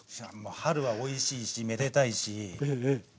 春はおいしいしめでたいしねえ。